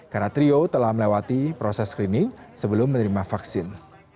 karena trio telah melewati proses screening sebelum menerima vaksin